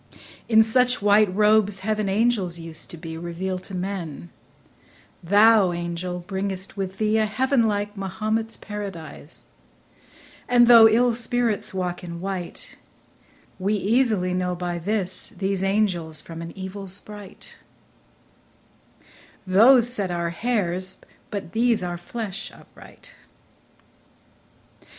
In such white robes heaven's angels used to be Revealed to men ; thou, angel, bring'st with thee A heaven like Mahomet's paradise ; and though Ill spirits walk in white, we easily know By this these angels from an evil sprite ; Those set our hairs, but these our flesh upright.